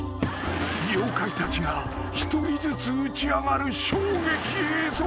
［妖怪たちが一人ずつ打ち上がる衝撃映像］